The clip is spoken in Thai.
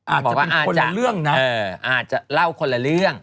อาจจะเป็นคนละเรื่องนะ